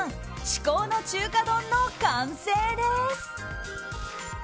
至高の中華丼の完成です。